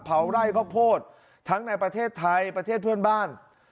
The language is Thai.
เผาไร่ข้าวโพดทั้งในประเทศไทยประเทศเพื่อนบ้าน